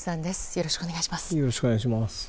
よろしくお願いします。